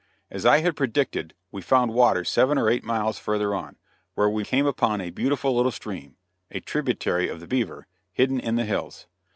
As I had predicted, we found water seven or eight miles further on, where we came upon a beautiful little stream a tributary of the Beaver hidden in the hills.